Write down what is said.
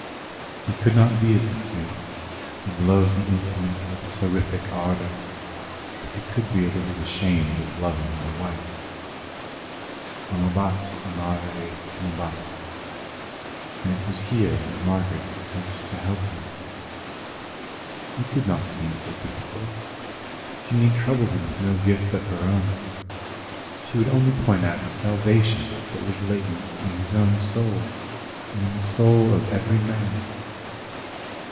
He could not be as the saints and love the Infinite with a seraphic ardour, but he could be a little ashamed of loving a wife. "Amabat, amare timebat." And it was here that Margaret hoped to help him. It did not seem so difficult. She need trouble him with no gift of her own. She would only point out the salvation that was latent in his own soul, and in the soul of every man.